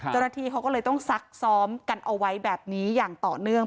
เจ้าหน้าที่เขาก็เลยต้องซักซ้อมกันเอาไว้แบบนี้อย่างต่อเนื่อง